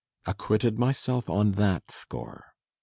] Acquitted myself on that score.